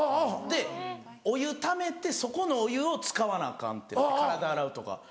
でお湯ためてそこのお湯を使わなアカン体洗うとか。